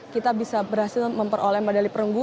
kita bisa berhasil memperoleh medali perunggu